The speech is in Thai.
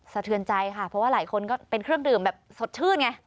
เทือนใจค่ะเพราะว่าหลายคนก็เป็นเครื่องดื่มแบบสดชื่นไง